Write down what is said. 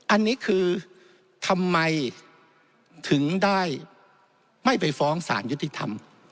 อันนี้คือทำไมถึงได้ไม่ไปฟ้องสารยุติธรรม